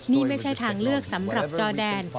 นี่ไม่ใช่ทางเลือกสำหรับจอแดน